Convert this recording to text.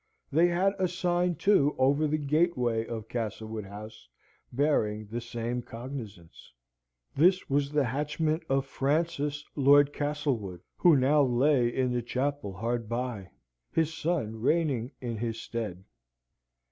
They had a sign, too, over the gateway of Castlewood House, bearing the same cognisance. This was the hatchment of Francis, Lord Castlewood, who now lay in the chapel hard by, his son reigning in his stead.